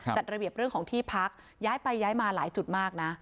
จัดระเบียบเรื่องของที่พักย้ายไปย้ายมาหลายจุดมากนะ